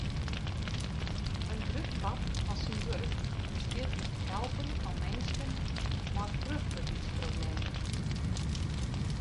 In grut part fan syn wurk bestiet út it helpen fan minsken mei fruchtberheidsproblemen.